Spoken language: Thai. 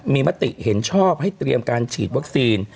มีมติเห็นชอบให้เตรียมการฉีดวัคซีน